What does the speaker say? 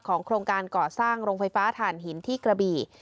โครงการก่อสร้างโรงไฟฟ้าถ่านหินที่กระบี่